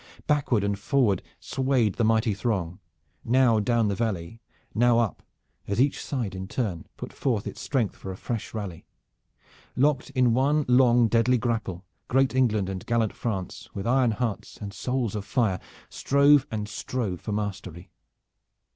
Backward and forward swayed the mighty throng, now down the valley and now up, as each side in turn put forth its strength for a fresh rally. Locked in one long deadly grapple, great England and gallant France with iron hearts and souls of fire strove and strove for mastery.